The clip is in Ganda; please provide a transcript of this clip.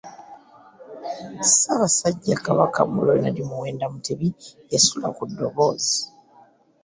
Ssaabasajja Kabaka Ronald Muwenda Mutebi yasitula ku ddoboozi